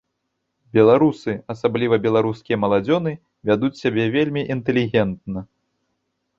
Беларусы, асабліва беларускія маладзёны, вядуць сябе вельмі інтэлігентна.